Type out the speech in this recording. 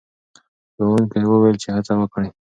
ښوونکی وویل چې هڅه وکړئ.